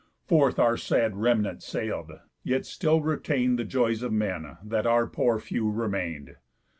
Forth our sad remnant sail'd, yet still retain'd The joys of men, that our poor few remain'd.